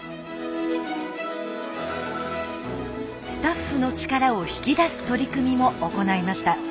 スタッフの力を引き出す取り組みも行いました。